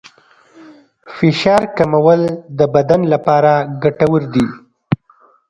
فشار کمول د بدن لپاره ګټور دي.